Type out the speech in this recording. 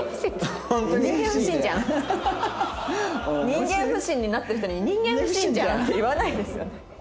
人間不信になってる人に「人間不信じゃん」って言わないですよね。